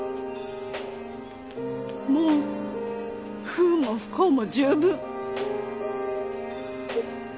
もう不運も不幸も十分。